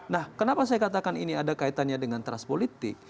nah kenapa saya katakan ini ada kaitannya dengan trust politik